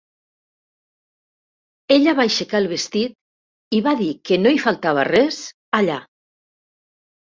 Ella va aixecar el vestit i va dir que no hi faltava res, allà.